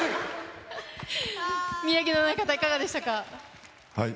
宮城野親方いかがでしたか。